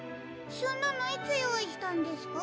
そんなのいつよういしたんですか？